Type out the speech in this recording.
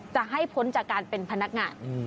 จะให้พ้นจากการเป็นพนักงาน